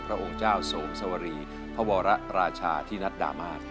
องค์เจ้าสวมสวรีพระวรราชาที่นัดดามาศ